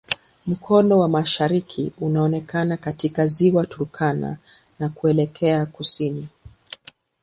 Mkono wa mashariki unaonekana katika Ziwa Turkana na kuelekea kusini.